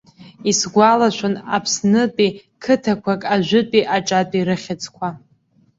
Исгәалашәон аԥснытәи қыҭақәак ажәытәи аҿатәи рыхьӡқәа.